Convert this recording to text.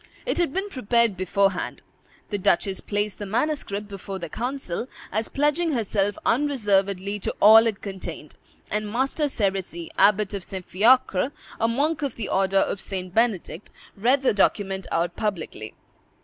It had been prepared beforehand; the duchess placed the manuscript before the council, as pledging herself unreservedly to all it contained, and Master Serisy, Abbot of St. Fiacre, a monk of the order of St. Benedict, read the document out publicly.